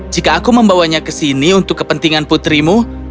jika aku membawanya kesini untuk kepentingan putrimu